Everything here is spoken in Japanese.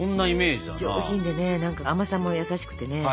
上品でね何か甘さも優しくてねいいんですよ。